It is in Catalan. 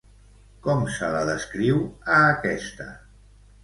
Com se la descriu a aquesta?